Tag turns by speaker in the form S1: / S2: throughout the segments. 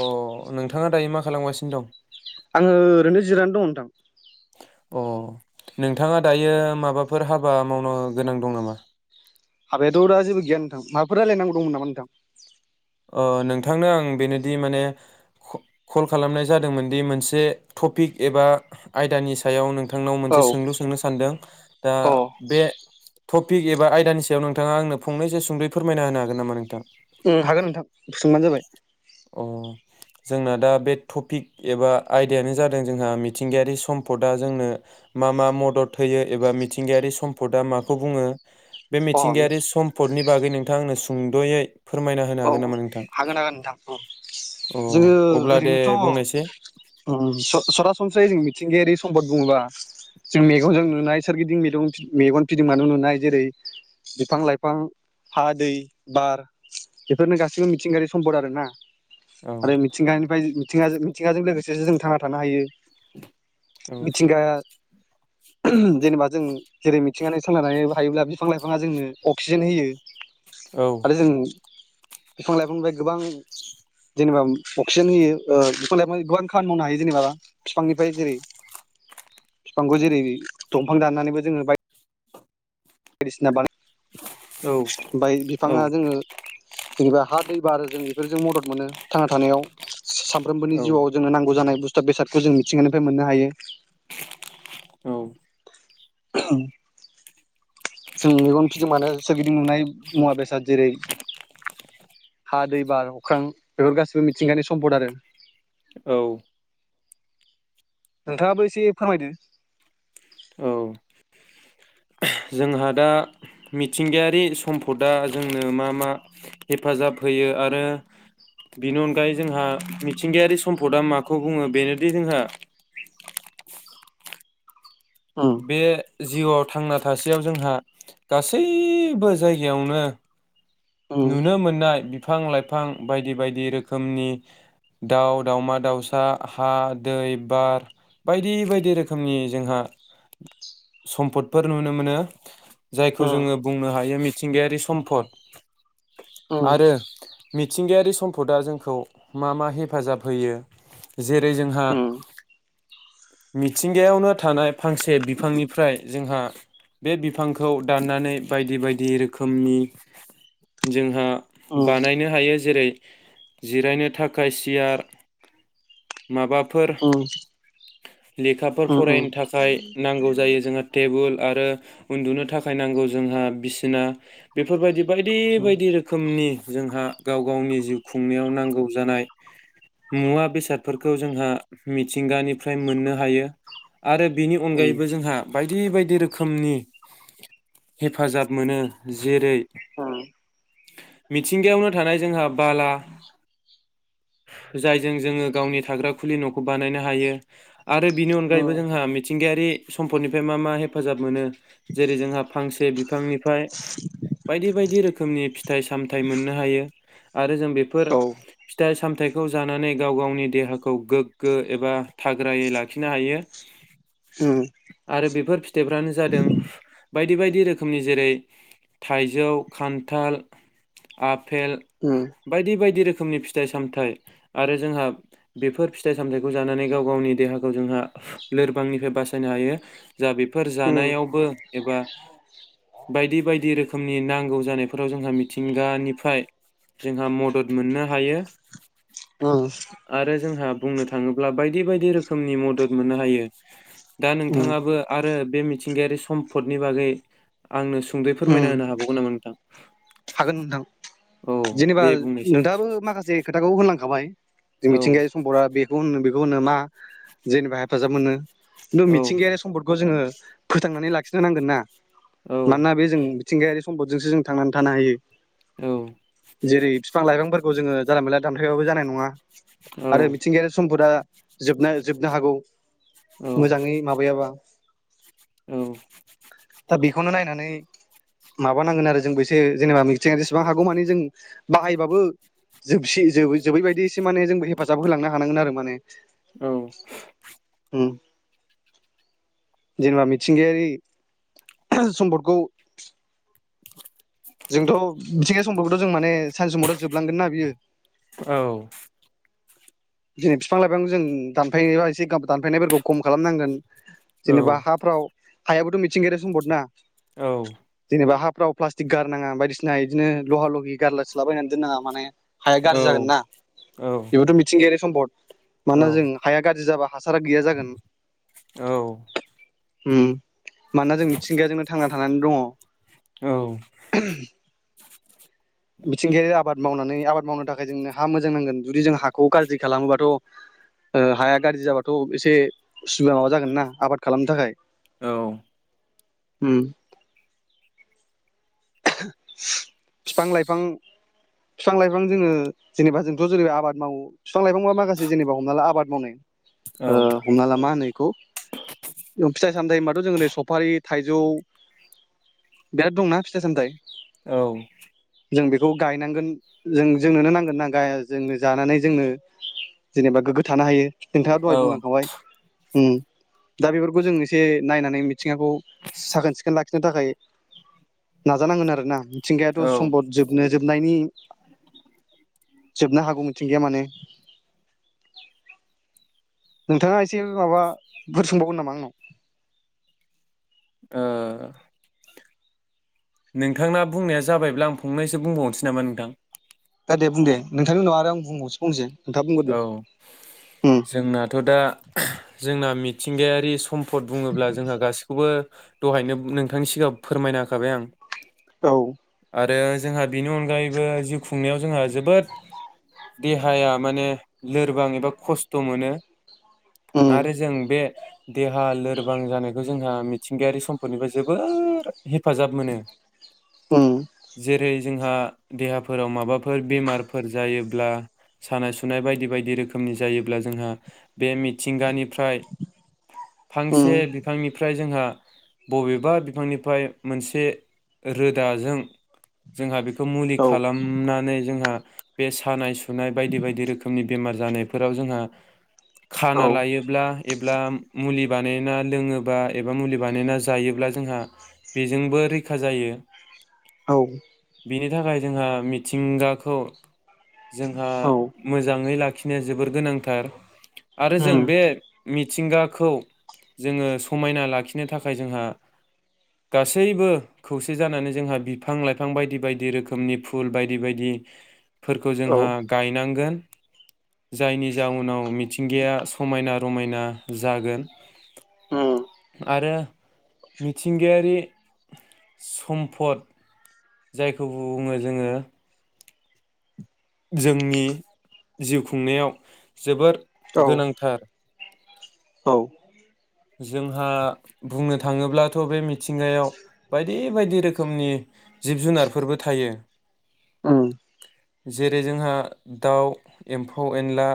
S1: अ नोंथाङा दायो मा खालामगासिनो दं?
S2: आङो ओरैनो जिरायनानै दङ नोंथां ।
S1: अ नोंथाङा दायो माबाफोर हाबा मावन गोनां दं नामा?
S2: हाबायाथ दा जेबो गैया नोंथां माबाफोर रायजलायनांगौ दंमोन नामा नोंथां?
S1: अ नोंथांनो आं बेनोदि माने क कल खालामनाय जादोंमोन दि मोनसे टपिक एबा आयदानि सायाव नोंथ थांनाव
S2: औ
S1: मोनसे सोंलु सोंनो सानदों दा
S2: अ
S1: बे टपिक एबा आयदानिसायाव नोंथाङा आंनो फंनैस सदै फोरमायना होनो होगोन नामा नोंथां?
S2: उम हाग गोन नोंथां सोंबानो जाबाय।
S1: अ जोंनो दा बे टपिक एबा आयदायानो जादों जोंहा मिथिंगायारि सम्पदा जोंनो मा मा मदद होयो एबा मिथिंगायारि सम्पदा माखौ बुङो? बे
S2: अ औ
S1: मिथिंगायारि सम्पदनि बागै नों थां आंनो सुंद'यै फोरमाय
S2: औ औ हागोन हागोन नोंथां औ।
S1: अ
S2: जोङो
S1: अब्ला दे
S2: ओरैनोथ'
S1: बुंनायसै
S2: उम स सरासनस्रायै जों मिथिंगायारि सम्पद बुङोब्ला जों मेगनजों नुनाय सोरगिदिं मिदुं मेगन फिदिंनो नुनाय जेरै बिफां-लाइफां हा, दै, बार बेफोरनो गासै मिथिंगायारि सम्पद आरो ना।
S1: औ
S2: आरो मिथिंगानिफ्राय ज मिथिंगाजो थिंगाजों लोगोसे जों थांना थानो हायो।
S1: औ
S2: मिथिंगा [unintelligible] जेनेबा जों जेरै मिथ थिंगानि सोलायनायोबा थायोब्ला बिफां-लाइफाङा जोंनो अक्सिजेन होयो।
S1: औ
S2: आरो जों बिफां लाइफांनिफ्राय गोबां जेनेबा अक्सिजेन होयो ओ बिफां लाइफांनि गोबां खामानि मावनो हायो जेनेबा बिफांनिफ्राय जेरै बिफांखौ जेरै दंफां दाननानैबो जोङो बाय बायदिसिना बानाय ओमफाय
S1: औ
S2: बिफाङा जोंनो जेनेबा हा दै बारो जों बेफोरजों मदद मोनो थांना थानायाव। सा सानफ्रोमबोनि
S1: औ
S2: जिउआव जोंनो नांगौ जानाय बुस्थु बेसादखौ जों मिथिंगानिफ्राय मोननो हायो ।
S1: औ।
S2: [unintelligible] जों मेगन फिदिंबानो सोरगिदिं नुनाय मुवा-बेसाद जेरै हा, दै, बार, अख्रां बेफोर गासिबो मिथिंगायानि सम्पद आरो
S1: औ।
S2: नोंथाङाबो एसे फोरमायदो।
S1: औ जोंहा दा मिथिंगायारि सम्पदा जोंनो मा मा हेफाजाब होयो आरो बेनि अनगायै जोंहा मिथिंगायारि सम्पदा माखौ बुङो बेनोदि जोंहा
S2: उम
S1: बे जिउआव थांना थासेयाव जोंहा गासैबो जायगायावनो नुनो मोननाय बि फां लाइफां बायदि बायदि रोखोमनि दाउ, दाउमा-दाउसा, हा, दै, बार बायदि बायदि रोखोमनि जोंहा सम्फदफोर नुनो मोनो। जायखौ जोङो बुंनो हायो मिथ थिंगायारि सम्पद।
S2: उम।
S1: थिंगायारि सम्पदआ जोंखौ मा मा हेफाजाब होयो। जेरै जोंहा मिथिंगायावनो थानाय फांसे बिफांनिफ्राय जोंहा बे बिफांखौ दाननानै बायदि बायदि रोखोमनि जोंहा बानायनो हायो जेरै जिरायनो थाखाय सियार। माबाफोर लेखाफोर फरायनो थाखाय नांगौ जायो जोंहा टेबोल आरो। उन्दुनो थाखाय नांगौ जोंहा बिसिना बेफोरबायदि बायदि। बायायदि रोखोमनि जोंहा गाव गावनि जिउ खुंनायाव नांगौ जानाय मुवा बेसादफोरखौ जोंहा मिथिंगानिफ्राय मोननो हायो। आरो बेनि अनगायैबो जोंहा- बायदि बायदि रोखोमनि हेफाजाब मोनो जेरै-
S2: उम।
S1: मिथिंगायावनो थानाय जोंहा बाला जायजों जोङो गावनि थाग्रा खुलि न'खौ बानायनो हायो। आरो बिनि अनगायैबो जोंहा मिथिंगायार रि सम्पदनिफ्राय मा मा हेफाजाब मोनो। जेरै जोंहा फांस बिफांनिफ फाय बायदि बायदि रोख खोमनि फिथ थाइ सामथायाइ मोननो हायो। आरो जों बेफोर
S2: औ
S1: फिथाइ साम थायखौ जानानै गाव गावनि देहाखौ गोग्गो एबा थाग्रायै लाखिनो हायो।
S2: उम,
S1: आरो बेफोर फिथाइफ्रानो जादों बायदि बायदि रोखोमनि जेरै थाइजौ खान थाल आप फेल
S2: उम,
S1: बायदि बायदि रोख खोमनि फिथाइ सामथाइ आरो जोंहा बेफोर फिथाइ सामथायाइखौ जानानै गाव गावनि देहाखौ जोंहा लोरबांनिफ्राय बासायनो हायो। जा बेफोर
S2: उम,
S1: जानायावबो एबा बायदि बायदि रोखो खोमनि नांगौ जानाय फोराव जोंहा मिथिंगानिफ्राय जोंहा मदद मोननो हायो।
S2: उम,
S1: आरो जोंहा बुंनो थाङोब्ला बायदि बायदि रोखोमनि मदद मोननो हायो। दा
S2: उम,
S1: नोंथाङाबो आरो बे मिथिंगायारि सम्पदनि बागै आंनो सुंदयै फोरमाय
S2: उम.
S1: होनो हौ नामा नोंथां?
S2: हागोन नोंथां।
S1: औ
S2: जेनेबा
S1: दे बुंनायसै
S2: नोंथाङाबो माखासे खोथाखौ होनलांखाबाय। जों
S1: औ
S2: मिथिंगायारि सम्पदा बेखौ होननो खौनो मा जेनेबा हेफाजाब मोनो। नु
S1: औ
S2: मिथिंगायारि सम्पदखौ जोंङो फोथांनानै लाखिनो नांगोन ना?
S1: औ
S2: मानोना बे जों थिंगायारि सम्दजोंसो जों थांनानै थानो हायो।
S1: औ
S2: जेरै फिफां लाइफांफोर खौ जोंङो जाला मोला दानफायबाबो जानाय नंङा। आरो
S1: औ
S2: मिथिंगायारि सम्फदा जोबनाय जोबनो हागौ।
S1: औ
S2: मोजांङै माबायाबा
S1: नोंथांना
S2: दा बेखौनो नायनानै नै माबा नांगोन आरो जोंबो थो जेनेबा मिथिं जेसेबां हागौ माने जों बाहायबाबो जोबसि ज जोबैबायायदि एसे माने जोंबो हेफाजाब होलांनो हानांगोन आरो माने
S1: औ
S2: उम जेनेबा मिथिंगायारि सम्पदखौ जोंथ' मिथिंगा सम्फद खौथ' जों माने सानसे समावथ' जोबलांगोन ना बियो
S1: औ
S2: दिनै बिफां लाइफां जों दानफायनाय बा एसे दानफायनायफोरखौ खम खालामनांगोन। जेनेबा हाफ्राव हायाबोथ' मिथिंगायारि सम्पदना?
S1: औ
S2: बा हाफ्राव प्लास्टिक गारनांङा बायदिसिना इदिनो लहा लहि गारलास्लाय बायायनानै दोननांङा माने हाया गाज्रि जागोन ना बेबोथ' मिथि गेयारि सम्पद । माना जों हाया गाज्रि जाबा हासारा गैया जागोन। उम मानोना जों मिथिंगाया जोंनो थांना थानानै दंङ।
S1: औ
S2: मिथिंगायारि आबाद मावनानै आबाद मावनो थाखाय जोंनो हा मोजां नांगोन जुदि जों हा खौ गाज्रि खालामोबाथ' ओ हाया गाज्रि जाबाथ' एसे उसुबिदा माबा जागोन ना आबाद खालामनो थाखाय।
S1: औ
S2: होम फिफां लाइफां फिफां लाइफां जोंङो जेनेबा जोंथ' जेरैब आबाद मावो फिफां लाइफां माखासे जेनेबा हमना ला आबाद मावनाय ओ हमनाला मा होनो बेखौ फि सानदै होनबाथ' सफारि थाइजौ बिराद दंना। सिथाइ सामथाइ
S1: औ
S2: जों बेखौ गायनांगोन जों जोंनोनो नांगोनना जोंनो जानानै जोंनो जेनेबा गोग्गो थानो हायो। नोंथाङा दहाय बुंलांखाबाय उम दा बेफोरखौ जों एसे नायनानै मिथिंगाखौ साखोन सिखोन लाखिनो थाखाय नाजानांगोन आरो ना मिथिंगायाथ' सम्पद जोबनो जोबनायनि जोबनो हागौ मिथिंगाया माने नोंथाङा एसे माबा बुर [inaudible] सोंबावगोन नामा आंनाव
S1: ओ नोंथांना बुंनाया जाबायब्ला आं फंनैसो बुंबावनोसै नामा नोंथां
S2: दा दे बुं दे नोंथांनि उनाव आरो आं बुंबावसो फंनैसो
S1: औ जोंनाथ' दा जोंना मिथिंगायारि सम्फद बुङोब्ला जोंहा गासिखौबो दहायनो नोंथांनि सिगां फोरमायना होखाबाय आं
S2: औ
S1: आरो जोंहा बेनि अनगायैबो जिउ खुंनायाव जोंहा जोबोद देहाया माने लोरबां एबा खस्थ' मोनो।
S2: उम
S1: आरो जों बे देहा लोरबां जानायखौ जोंहा मिथिंगायारि सम्फोरनिफ्राय जोबोर हेफाजाब मोनो
S2: उम
S1: जेरै जोंहा देहाफोराव माबाफोर बेमारफोर जायोब्ला सानाय सुनाय बायदि बायदि रोखोमनि जायोब्ला जोंहा बे मिथिंगानिफ्राय फांसे
S2: उम
S1: बिफांनिफ्राय जोंहा बबेबा बिफांनिफ्राय मोनसे रोदाजों जोंहा बे खौ मुलि
S2: औ
S1: खालामनानै जोंहा बे सानाय सुनाय बायदि बायदि रोखोमनि बेमार जानायफोराव जोंहा
S2: औ
S1: खाना लायोब्ला एबा मुलि बानायना लोङोबा एबा मुलि बानायना जायोब्ला जोंहा बेजोंबो रैखा जायो
S2: औ
S1: बेनि थाखाय जोंहा मिथिंगाखौ जोंहा
S2: औ
S1: मोजाङै लाखिनो जोबोर गोनांथार आरो जों
S2: उम
S1: बे मिथिंगाखौ जोङो समायना लाखिनो थाखाय जोंहा गासैबो खौसे जानानै जोंहा बिफां लाइफां बायदि बायदि रोखोमनि फुल बायदि बायदि फोरखौ
S2: औ
S1: जोंहा नांगोन जायनि जाउनाव मिथिंगाया समायना रमायना जागोन
S2: उम
S1: आरो मिथिंगायारि सम्पद जायखौ बुङो जोङो जोंनि जिउ खुंनायाव जोबोर
S2: औ
S1: गोनांथार। जोंहा बुंनो थाङोब्लाथ' बे मिथिंगायाव बायदि बायदि रोखोमनि जिब जुनारफोरबो थायो
S2: उम
S1: जेरै जोंहा दाउ एम्फौ- एनला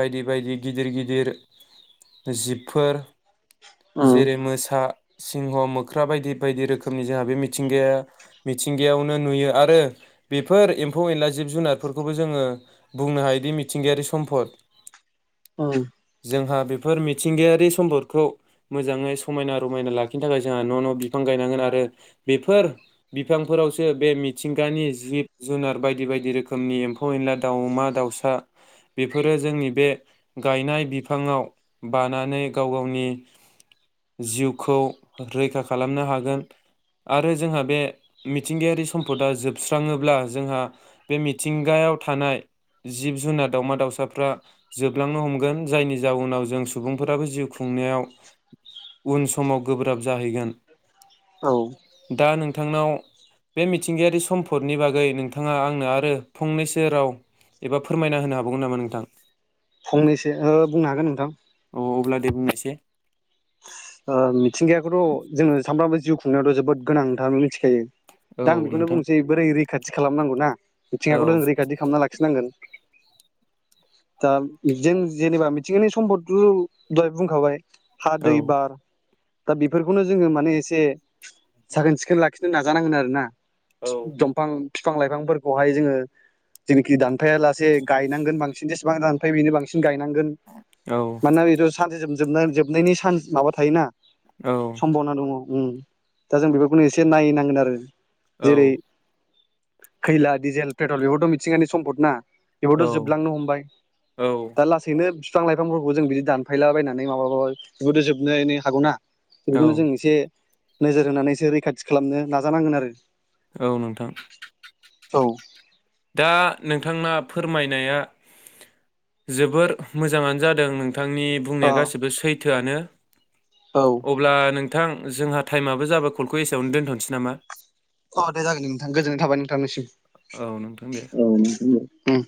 S1: बायदि बायदि गिदिर गिदिर जिबफोर
S2: उम
S1: जेरै मोसा सिंह मोख्रा बायदि बायदि रोखोमनि जोंहा बे मिथिंगाया मिथिंगायावनो नुयो आरो बेफोर एम्फौ एनला जिब जुनारफोरखौबो जोङो बुंनो हायोदि मिथिंगायारि सम्पद
S2: उम
S1: जोंहा बेफोर मिथिंगायारि सम्पद खौ मोजाङै समायना रमायना लाखिनो थाखाय जोंहा न' न' बिफां गायनांगोन आरो बेफोर बिफांफोरावसो बे मिथिंगानि जिब-जुनार बायदि बायदि रोखोमनि एम्फौ- एनला दाउमा-दाउसा बेफोरो जोंनि बे गायनाय बिफाङाव बानानै गाव गाव नि जिउखौ रैखा खालामनो हागोन आरो जोंहा बे मिथिंगायारि सम्पदा जोबस्राङोब्ला जोंहा बे मिथिंगायाव थानाय जिब जुनार दामा दाउसाफ्रा जोबलांनो हमगोन जायनि जाउनाव जों सुबुंफोराबो जिउ खुं खुंनायाव उन समाव गोब्राब जाहैगोन
S2: औ
S1: दा नोंथांनाव बे मिथिंगायारि सम्फदनि बागै नोंथाङा आंनो आरो फंनैसो राव एबा फोरमायना होनो हाबावगोन नामा नोंथां?
S2: फंनैसो बुंनो हागोन नोंथां।
S1: औ अब्ला दे बुं। एसे
S2: ओ मिथिंगायाखौथ' जोङो सामफ्रामबो जिउ खुंनायावाथ' जोबोद गोनांथार मिथिखायो
S1: औ
S2: दा आं बेखौनो
S1: नोंथां
S2: बुंसै बोरै रैखाथि थि खालामनांगौ ना।
S1: औ
S2: मिथिंगाखौथ' जों रैखाथि खालामना लाखिनांगोन। दा जों जेनेबा मिथिंगानि सम्पदथ' दहाय बुंखाबाय हा
S1: औ
S2: दै बार दा बेफोरखौनो जोङो माने एसे साखोन सिखोन लाखिनो नाजानांगोन आरोना।
S1: औ
S2: दंफां फिफां लाइफांफोरखौहाय जोङो जेनिखि दानफाया लासे गायनांगोन बांसिन जेसेबां दानफै बेनो बांसिन गायनांगोन। गोन मानोना बेथ' सानसे सम जोबनाय जोबनायनि सान माबा थायोना।
S1: औ
S2: सम्भावना दङ। उम दा जों बेफोरखौनो एसे नायहैनांगोन आरो। जेरै खैला डिजेल पेट्रल बेबोथ' मिथिंगानि सम्फद ना बेबोथ'
S1: औ
S2: जोबलांनो हमबाय
S1: औ
S2: दा लासैनो बिफां लाइफांफोरखौ जों बिदि दानफायला बायनानै माबादो जोब नै नै हागौ ना
S1: औ
S2: बेखौनो जों एसे नोजोर होनानैसो रैखाथि खालामनो नाजानांगोन आरो।
S1: औ नोंथां
S2: औ
S1: दा नोंथांना फोरमायनाया जोबोर मोजाङानो जादों नों थांनि
S2: अ
S1: बुंनाया गासिबो सैथोआनो।
S2: औ
S1: अब्ला नों थां जोंहा टाइमआबो जाबाय कलखौ एसेयावनो दोनथ'नोसै नामा?
S2: अ दे जागोन नोंथां गोजोननाय थाबाय नोंथांनिसिम
S1: औ नोंथां दे
S2: औ उम